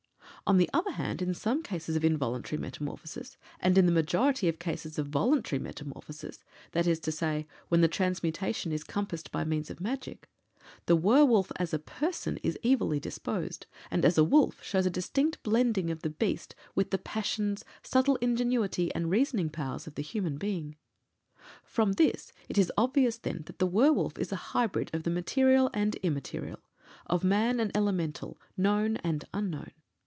On the other hand, in some cases of involuntary metamorphosis, and in the majority of cases of voluntary metamorphosis that is to say, when the transmutation is compassed by means of magic the werwolf, as a person, is evilly disposed, and as a wolf shows a distinct blending of the beast with the passions, subtle ingenuity, and reasoning powers of the human being. From this it is obvious, then, that the werwolf is a hybrid of the material and immaterial of man and Elemental, known and Unknown.